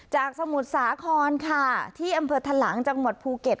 สมุทรสาครค่ะที่อำเภอทะหลังจังหวัดภูเก็ต